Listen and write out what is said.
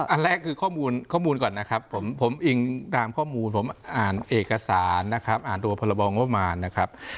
อันแรกคือข้อมูลข้อมูลก่อนนะครับผมอิงตามข้อมูลผมอ่านเอกสารนะครับอ่านตัวพรบองงบประมาณนะครับ